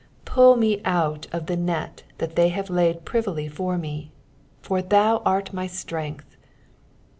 4 Pull me out of the net that they have laid privily for me : for thou art my strength.